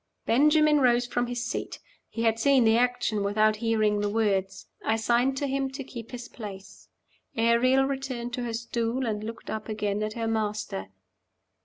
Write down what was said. Benjamin rose from his seat: he had seen the action, without hearing the words. I signed to him to keep his place. Ariel returned to her stool, and looked up again at her master.